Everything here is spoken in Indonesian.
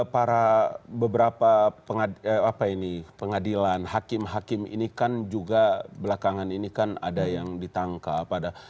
para beberapa pengadilan hakim hakim ini kan juga belakangan ini kan ada yang ditangkap ada